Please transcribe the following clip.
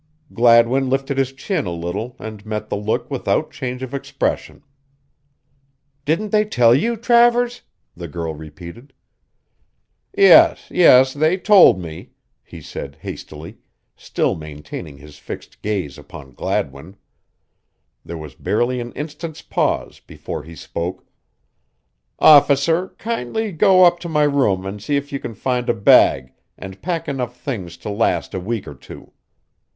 Gladwin lifted his chin a little and met the look without change of expression. "Didn't they tell you, Travers?" the girl repeated. "Yes, yes; they told me," he said hastily, still maintaining his fixed gaze upon Gladwin. There was barely an instant's pause before he spoke: "Officer, kindly go up to my room and see if you can find a bag and pack enough things to last a week or two."